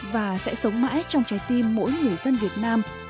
và sẽ sống mãi trong trái tim mỗi người dân việt nam